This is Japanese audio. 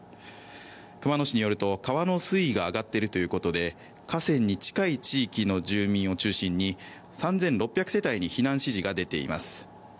熊野市によると、川の水位が上がっているということで河川に近い地域の住民を中心に３６００世帯に避難指示が出ています。